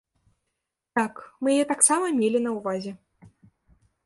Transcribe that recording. Так, мы яе таксама мелі на ўвазе.